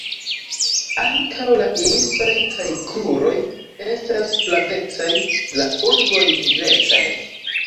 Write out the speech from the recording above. Ankaŭ la irisoj kaj kruroj estas flavecaj; la ungoj nigrecaj.